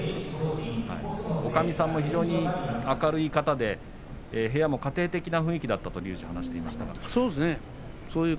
おかみさんも非常に明るい方で部屋も家庭的な雰囲気だったとそうですね。